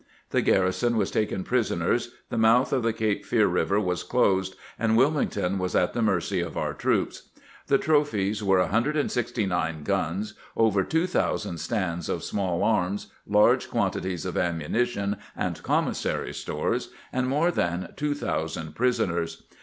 The garrison was taken prisoners, the mouth of the Cape Fear Eiver was closed, and Wilmington was at the mercy of our troops. The trophies were 169 guns, over 2000 stands of small arms, large quantities of am munition and commissary stores, and more than 2000 prisoners.